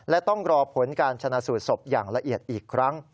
และต้องรอผลการชนะสูตรศพอย่างละเอียดอีกครั้ง